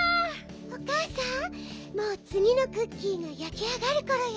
おかあさんもうつぎのクッキーがやきあがるころよ。